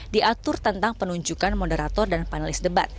diatur tentang penunjukan moderator dan panelis debat